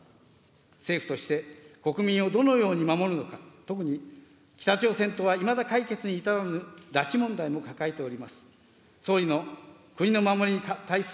政府として国民をどのように守るのか、特に北朝鮮とはいまだ解決に至らぬ拉致問題も抱えております。